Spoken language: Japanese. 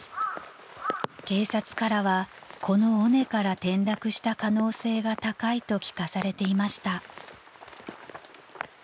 ［警察からはこの尾根から転落した可能性が高いと聞かされていました］